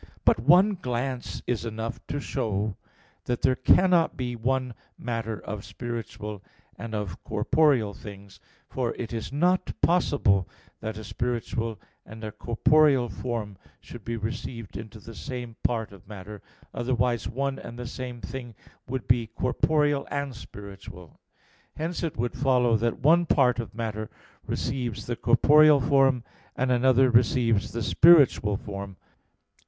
But one glance is enough to show that there cannot be one matter of spiritual and of corporeal things. For it is not possible that a spiritual and a corporeal form should be received into the same part of matter, otherwise one and the same thing would be corporeal and spiritual. Hence it would follow that one part of matter receives the corporeal form, and another receives the spiritual form.